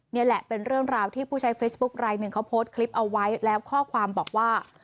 นี่แหละเป็นเรื่องราวที่ผู้ใช้เฟซบุ๊คลายหนึ่งเขาโพสต์คลิปเอาไว้แล้วข้อความบอกว่า